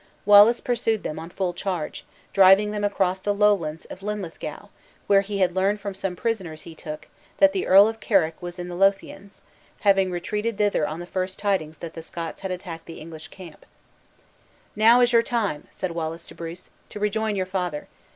Wallace pursued them on full charge; driving them across the lowlands of Linlithgow, where he learned from some prisoners he took, that the Earl of Carrick was in the Lothians; having retreated hither on the first tidings that the Scots had attacked the English camp. "Now is your time," said Wallace to Bruce, "to rejoin your father.